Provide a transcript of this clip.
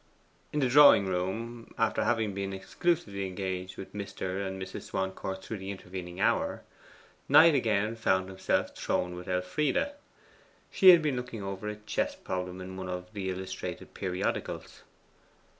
In the drawing room, after having been exclusively engaged with Mr. and Mrs. Swancourt through the intervening hour, Knight again found himself thrown with Elfride. She had been looking over a chess problem in one of the illustrated periodicals.